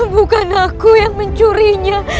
bukan aku yang mencurinya